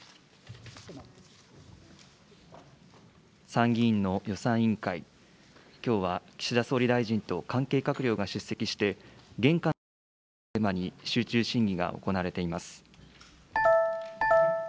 参議院の予算委員会、きょうは、岸田総理大臣と関係閣僚が出席して、現下の諸課題をテーマに、集中審議が行われています。